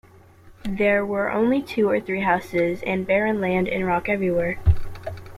There were only two or three houses and barren land and rock everywhere.